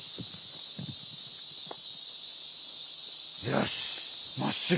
よし！